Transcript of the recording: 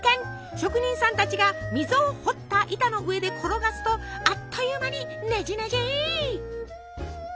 職人さんたちが溝を彫った板の上で転がすとあっという間にねじねじ！